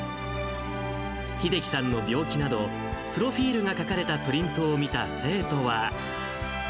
秀樹さんの病気など、プロフィールが書かれたプリントを見た生徒は。